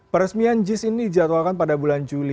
peresmian jis ini dijadwalkan pada bulan juli